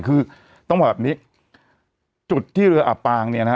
คือต้องบอกแบบนี้จุดที่เรืออับปางเนี่ยนะฮะ